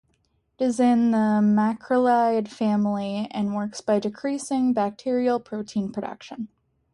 It is in the macrolide family and works by decreasing bacterial protein production.